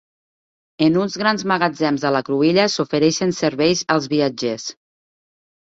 En uns grans magatzems a la cruïlla s'ofereixen serveis als viatgers.